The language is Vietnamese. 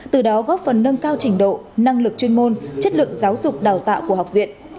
từ đó góp phần nâng cao trình độ năng lực chuyên môn chất lượng giáo dục đào tạo của học viện